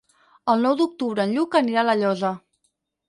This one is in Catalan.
El nou d'octubre en Lluc anirà a La Llosa.